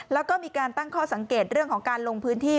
แล้วก็มีการตั้งข้อสังเกตเรื่องของการลงพื้นที่